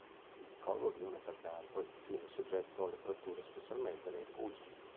Il collo di un metacarpo è infine soggetto alle fratture, specialmente nei pugili.